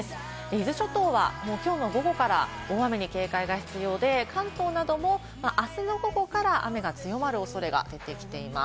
伊豆諸島はきょうの午後から大雨に警戒が必要で、関東などもあすの午後から強まる恐れが出てきています。